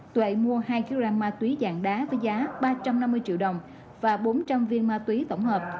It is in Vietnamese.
tuệ mua hai kg ma túy dạng đá với giá ba trăm năm mươi triệu đồng và bốn trăm linh viên ma túy tổng hợp